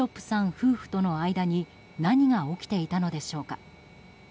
夫婦との間に何が起きていたのでしょうか。